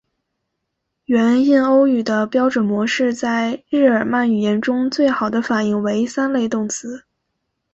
原印欧语的标准模式在日耳曼语言中最好的反映为三类动词。